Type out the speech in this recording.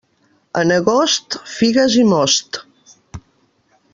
En agost, figues i most.